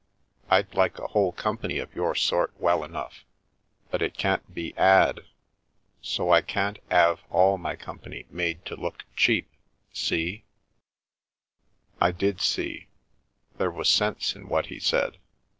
I'd like a whole company of your sort well enough, but it can't be 'ad — so I can't 'ave all my company made to look cheap — see?" I did see — there was sense in what he said.